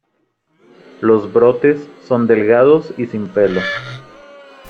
Los brotes son delgados, y sin pelo.